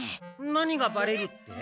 何がバレるって？